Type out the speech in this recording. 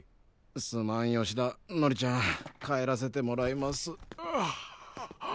すまん吉田のりちゃん帰らせてもらいます。